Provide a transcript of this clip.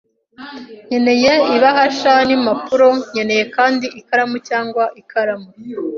Nkeneye ibahasha n'impapuro. Nkeneye kandi ikaramu cyangwa ikaramu